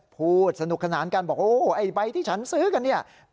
พูดสนุกขนาดกันบอกไอ้ใบที่ฉันซื้อกัน๘๓๕๕๓๘